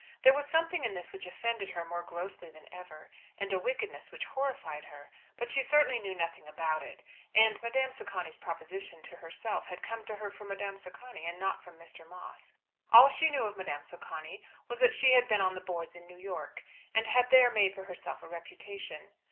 There was something in this which offended her more grossly than ever, and a wickedness which horrified her. But she certainly knew nothing about it; and Madame Socani's proposition to herself had come to her from Madame Socani, and not from Mr. Moss. All she knew of Madame Socani was that she had been on the boards in New York, and had there made for herself a reputation.